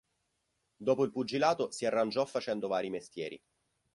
Dopo il pugilato si arrangiò facendo vari mestieri.